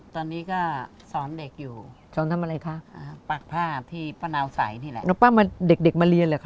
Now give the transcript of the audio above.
ตอนนี้ก็สอนเด็กอยู่สอนทำอะไรคะปากผ้าที่ป้านาวใส่นี่แหละแล้วป้ามาเด็กมาเรียนเหรอคะ